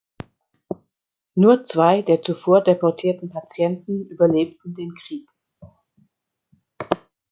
Nur zwei der zuvor deportierten Patienten überlebten den Krieg.